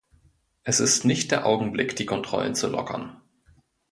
Es ist nicht der Augenblick, die Kontrollen zu lockern.